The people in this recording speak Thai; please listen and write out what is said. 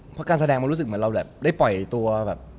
เพราะการแสดงมันรู้สึกเหมือนเราแบบได้ปล่อยตัวแบบ